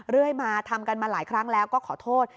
เรื่อยมาทำกันมาหลายครั้งแล้วก็ขอโทษ